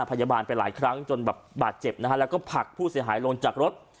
พยาบาลไปหลายครั้งจนแบบบาดเจ็บนะฮะแล้วก็ผลักผู้เสียหายลงจากรถ